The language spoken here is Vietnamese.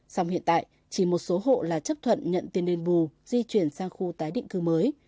song hiện tại chỉ một số hộ là chấp thuận nhận tiền đền bù di chuyển sang khu tái định cư mới